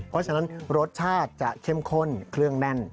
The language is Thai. เพราะฉะนั้นรสชาติจะเข้มข้นเครื่องแน่น